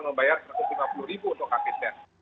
membayar satu ratus lima puluh ribu untuk kafe test